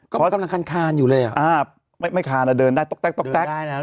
ก็กำลังคันคานอยู่เลยอ่ะไม่คันอ่ะเดินได้ต๊อกแต๊ก